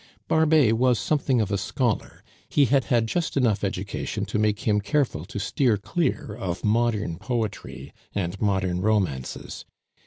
Barbet was something of a scholar; he had had just enough education to make him careful to steer clear of modern poetry and modern romances.